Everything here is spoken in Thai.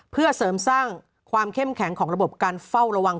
เพื่อเสริมสร้างความเข้มแข็งของระบบการเฝ้าระวัง